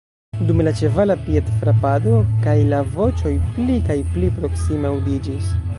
Dume la ĉevala piedfrapado kaj la voĉoj pli kaj pli proksime aŭdiĝis.